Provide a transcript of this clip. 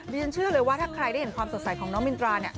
ฉันเชื่อเลยว่าถ้าใครได้เห็นความสดใสของน้องมินตราเนี่ย